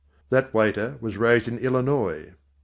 That waiter was raised in Illinois.